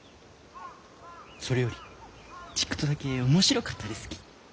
それよりちっくとだけ面白かったですき。